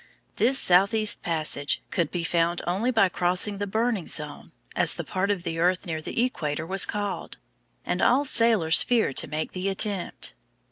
This southeast passage could be found only by crossing the "burning zone," as the part of the earth near the equator was called; and all sailors feared to make the attempt.